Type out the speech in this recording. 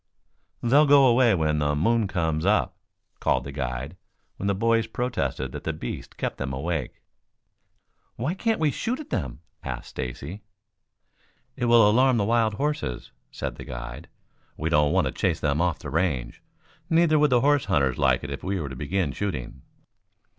"They'll go away when the moon comes up," called the guide when the boys protested that the beasts kept them awake. "Why can't we shoot at them?" asked Stacy. "It will alarm the wild horses," said the guide. "We don't want to chase them off the range. Neither would the horse hunters like it if we were to begin shooting."